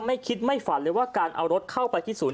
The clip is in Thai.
ไม่คิดไม่ฝันเลยว่าการเอารถเข้าไปที่ศูนย์